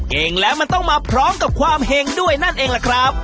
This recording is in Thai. เก่งแล้วมันต้องมาพร้อมกับความเห็งด้วยนั่นเองล่ะครับ